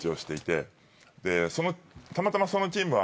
たまたまそのチームは。